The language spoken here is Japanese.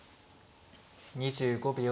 ２５秒。